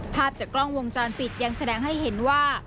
ภาพจากกล้องวงจรปิดยังแสดงให้เห็นว่า